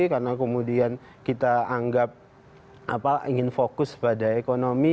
karena kemudian kita anggap ingin fokus pada ekonomi